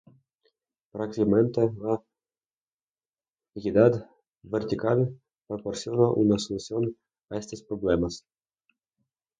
Prácticamente, la equidad vertical, proporciona una solución a estos problemas.